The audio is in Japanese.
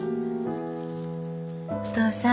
お父さん。